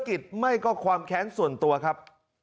จะขัดแย้งกับร้านไหนหรือเปล่า